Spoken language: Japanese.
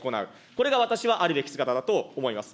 これが私はあるべき姿だと思います。